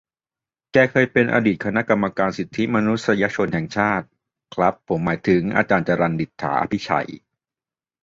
แกเคยเป็นอดีตคณะกรรมการสิทธิมนุษยชนแห่งชาติ ครับผมหมายถึง อจรัล ดิษฐาอภิชัย